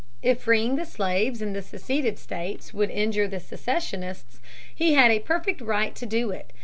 If freeing the slaves in the seceded states would injure the secessionists, he had a perfect right to do it.